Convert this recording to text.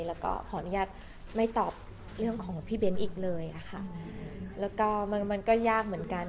แล้วก็ขออนุญาตไม่ตอบเรื่องของพี่เบ้นอีกเลยอะค่ะแล้วก็มันมันก็ยากเหมือนกัน